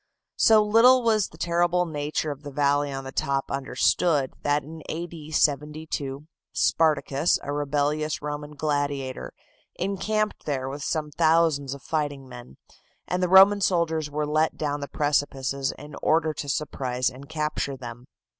So little was the terrible nature of the valley on the top understood, that in A. D. 72, Spartacus, a rebellious Roman gladiator, encamped there with some thousands of fighting men, and the Roman soldiers were let down the precipices in order to surprise and capture them.